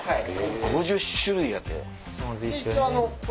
５０種類やて！